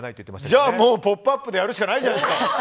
じゃあ、「ポップＵＰ！」でやるしかないじゃないですか。